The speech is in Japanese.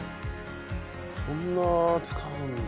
そんな使うんだ。